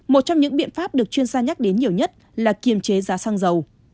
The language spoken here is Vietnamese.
một trong những biện pháp được chuyên gia nhắc đến nhiều nhất là kiềm chế giá xăng dầu